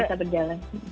untuk bisa berjalan